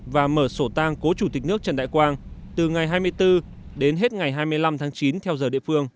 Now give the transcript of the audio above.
và mở sổ tang cố chủ tịch nước trần đại quang từ ngày hai mươi bốn đến hết ngày hai mươi năm tháng chín theo giờ địa phương